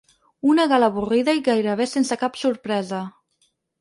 Una gala avorrida i gairebé sense cap sorpresa.